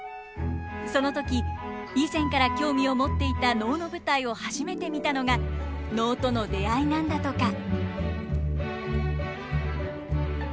その時以前から興味を持っていた能の舞台を初めて見たのが能との出会いなんだとか。